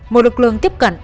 một lực lượng tiếp cận